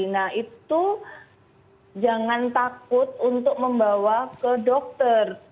nah itu jangan takut untuk membawa ke dokter